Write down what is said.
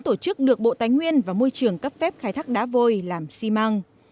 bốn tổ chức được bộ tài nguyên và môi trường cấp phép khai thác đá vôi làm xi măng